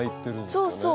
そうそう。